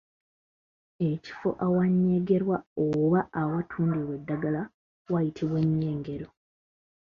Ekifo awayengerwa oba awatundirwa eddagala wayitibwa ennyengero.